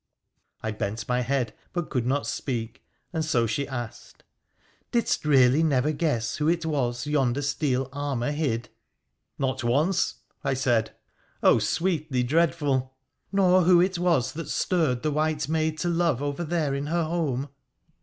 I bent my head but could not speak, and so she asked —' Didst really never guess who it was yonder steel armour hid?' ' Not once,' I said, ' sweetly dreadful !'' Nor who it was that stirred the white maid to love over there in her home